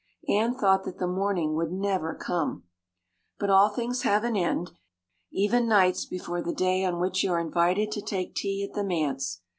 Anne thought that the morning would never come. But all things have an end, even nights before the day on which you are invited to take tea at the manse.